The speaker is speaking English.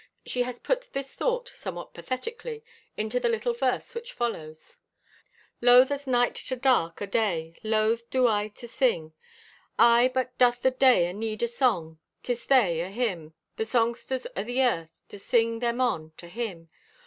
She has put this thought, somewhat pathetically, into the little verse which follows: Loth as Night to dark o' Day, Loth do I to sing. Aye, but doth the Day aneed a song, 'Tis they, o' Him, The songsters o' the Earth, Do sing them on, to Him.